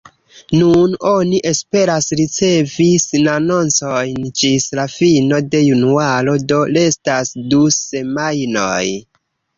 Nun oni esperas ricevi sinanoncojn ĝis la fino de januaro, do restas du semajnoj.